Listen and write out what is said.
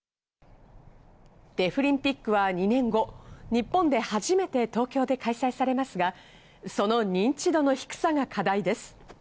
デフリンピックは２年後、日本で初めて東京で開催されますが、その認知度の低さが課題です。